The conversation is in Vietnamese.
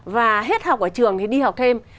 và hết học ở trường thì đi học thêm